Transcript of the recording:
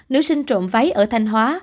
nữ sinh trộm váy ở thanh hóa